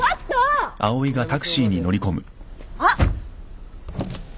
あっ！